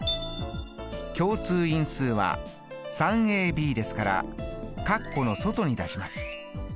共通因数は３ｂですから括弧の外に出します。